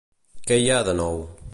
Què hi ha de nou?